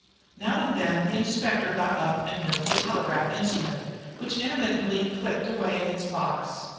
Now and then the Inspector got up and went to the telegraph instrument, which intermittently clicked away in its box.